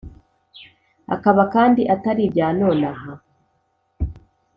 akaba kandi atari ibya none aha.